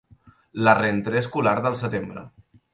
La 'rentrée' escolar del setembre.